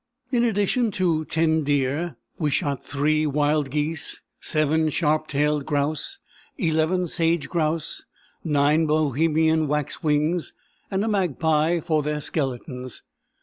In addition to ten deer, we shot three wild geese, seven sharp tailed grouse, eleven sage grouse, nine Bohemian waxwings, and a magpie, for their skeletons.